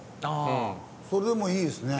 それでもいいですね。